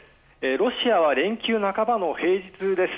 ロシアは連休半ばの平日です。